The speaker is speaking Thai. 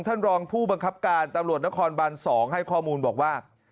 ท่านรองผู้บังคับการตำรวจนครบาน๒ให้ข้อมูลบอกว่า